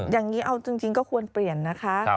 อย่างนี้เอาจริงก็ควรเปลี่ยนนะคะ